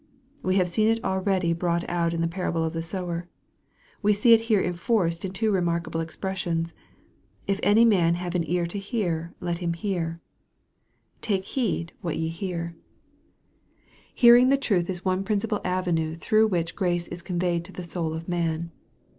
We have seen it already brought out in the parable of the sower. We see it here enforced in two remarkable expressions. " If any man have an ear to hear, let him hear "" Take heed what ye hear." 70 EXPOSITORY THOUGHTS. Hearing the truth is one principal avenue through which grace is conveyed to the soul of man.